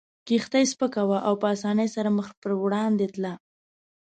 کښتۍ سپکه وه او په اسانۍ سره مخ پر وړاندې تله.